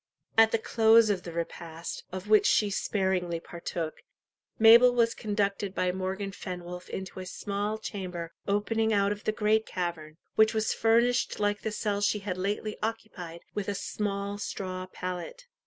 At the close of the repast, of which she sparingly partook, Mabel was conducted by Morgan Fenwolf into a small chamber opening out of the great cavern, which was furnished like the cell she had lately occupied, with a small straw pallet.